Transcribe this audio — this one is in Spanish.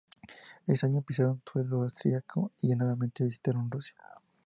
Ese año pisaron suelo austriaco y nuevamente visitaron Rusia.